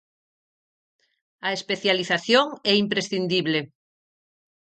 A especialización é imprescindible.